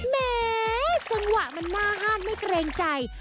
แม้จังหวะมันหน้าห้านไม่เกรงใจ